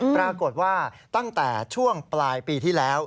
ปรากฏว่าตั้งแต่ช่วงปลายปีที่แล้ว